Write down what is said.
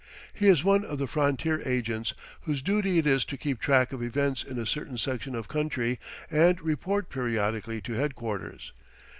He is one of the frontier agents, whose duty it is to keep track of events in a certain section of country and report periodically to headquarters.